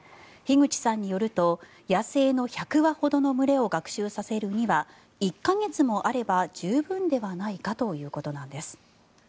樋口さんによると野生の１００羽ほどの群れを学習させるためには１か月もあれば十分ではないかということなんです。